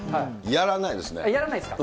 やらないですか。